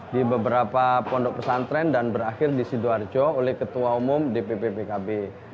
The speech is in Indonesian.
di beberapa pondok pesantren dan berakhir di sidoarjo oleh ketua umum dpp pkb